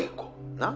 なっ？」